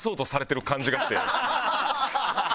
ハハハハ！